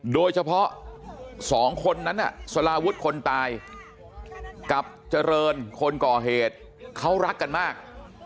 โดยเฉพาะ๒คนนั้นสลาวุฒิคนตายกับเจริญคนก่อเหตุเขารักกันมาก